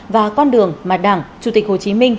và con đường mà đảng chủ tịch hồ chí minh